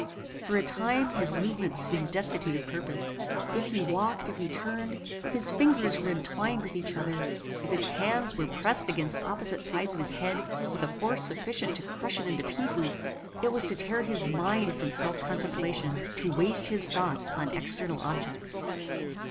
For a time his movements seemed destitute of purpose. If he walked; if he turned; if his fingers were entwined with each other; if his hands were pressed against opposite sides of his head with a force sufficient to crush it into pieces; it was to tear his mind from self contemplation; to waste his thoughts on external objects.